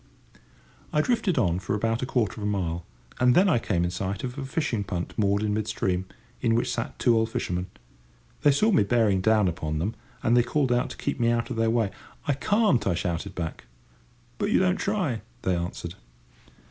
I drifted on for about a quarter of a mile, and then I came in sight of a fishing punt moored in mid stream, in which sat two old fishermen. They saw me bearing down upon them, and they called out to me to keep out of their way. "I can't," I shouted back. "But you don't try," they answered.